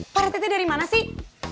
pak rete dari mana sih